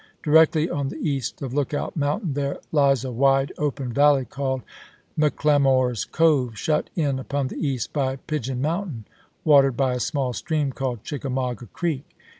Directly on the east of Lookout Mountain there lies a wide, open valley called McLemore's Cove, shut in upon the east by Pigeon Mountain, watered by a small stream called Chickamauga Creek.